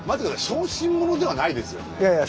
小心者ではないですよね。